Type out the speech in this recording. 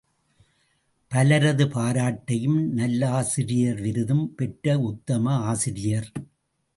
பலரது பாராட்டையும் நல்லாசிரியர் விருதும் பெற்ற உத்தம ஆசிரியர்.